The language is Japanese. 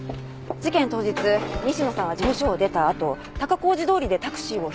事件当日西野さんは事務所を出たあと高小路通りでタクシーを拾い